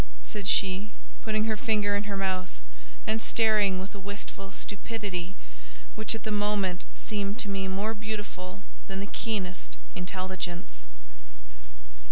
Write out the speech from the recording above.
said she, putting her finger in her mouth, and staring with a wistful stupidity which at the moment seemed to me more beautiful than the keenest intelligence.